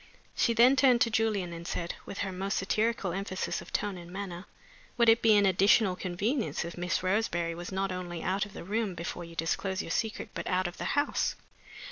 She then turned to Julian, and said, with her most satirical emphasis of tone and manner: "Would it be an additional convenience if Miss Roseberry was not only out of the room before you disclose your secret, but out of the house?"